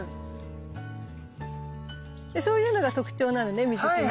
でそういうのが特徴なのねミズキは。